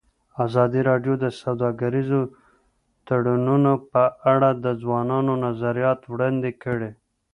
ازادي راډیو د سوداګریز تړونونه په اړه د ځوانانو نظریات وړاندې کړي.